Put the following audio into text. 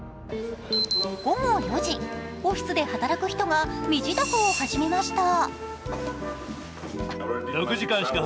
午後４時、オフィスで働く人が身支度を始めました。